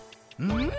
「うん？